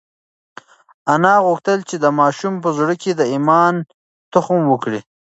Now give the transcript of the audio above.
انا غوښتل چې د ماشوم په زړه کې د ایمان تخم وکري.